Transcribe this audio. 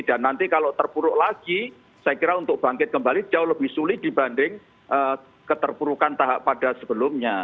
dan nanti kalau terpuruk lagi saya kira untuk bangkit kembali jauh lebih sulit dibanding keterpurukan tahap pada sebelumnya